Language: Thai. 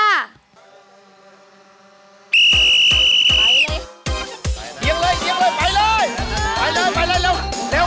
เยี่ยมเลยไปเลย